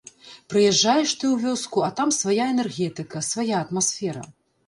Прыязджаеш ты ў вёску, а там свая энергетыка, свая атмасфера.